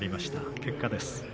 結果です。